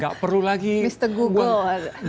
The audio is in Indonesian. gak perlu lagi setengah google